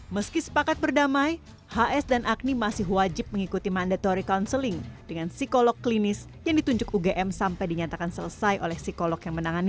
meski sepakat berdamai hs dan agni masih wajib mengikuti mandatory counseling dengan psikolog klinis yang ditunjuk ugm sampai dinyatakan selesai oleh psikolog yang menangani